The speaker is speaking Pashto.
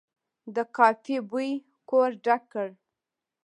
د کافي بوی کور ډک کړ.